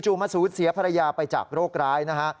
มาสูญเสียภรรยาไปจากโรคร้ายนะฮะ